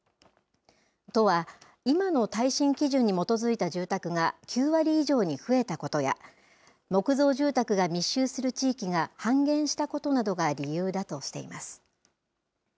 都は、今の耐震基準に基づいた住宅が９割以上に増えたことや、木造住宅が密集する地域が半減したことなどが理由だとしています。